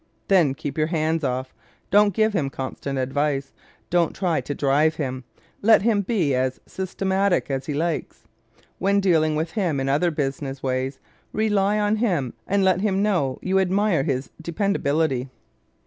Then keep your hands off. Don't give him constant advice; don't try to drive him. Let him be as systematic as he likes. When dealing with him in other business ways rely on him and let him know you admire his dependability.